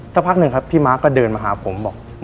สักพักนึงครับพี่มาร์คก็เดินมาหาผม